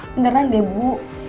beneran deh bu